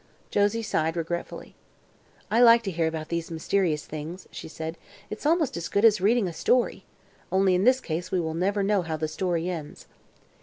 Josie sighed regretfully. "I like to hear about these mysterious things," said she. "It's almost as good as reading a story. Only, in this case, we will never know how the story ends."